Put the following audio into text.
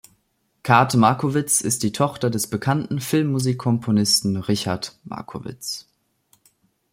Kate Markowitz ist die Tochter des bekannten Filmmusikkomponisten Richard Markowitz.